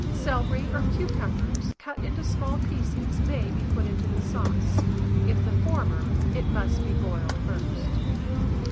Celery or cucumbers, cut into small pieces, may be put into the sauce; if the former, it must be boiled first.